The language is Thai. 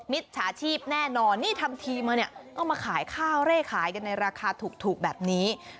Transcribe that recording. จฉาชีพแน่นอนนี่ทำทีมาเนี่ยต้องมาขายข้าวเร่ขายกันในราคาถูกแบบนี้